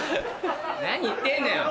何言ってんのよ